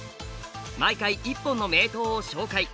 毎回１本の名刀を紹介。